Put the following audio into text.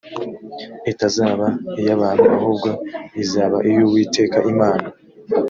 itazaba iy abantu ahubwo izaba iy uwiteka imana